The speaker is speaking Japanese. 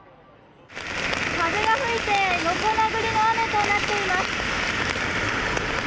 風が吹いて横殴りの雨となっています。